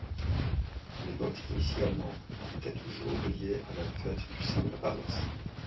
Les votes, initialement, étaient toujours liés à la fête du saint de la paroisse.